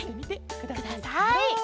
ください。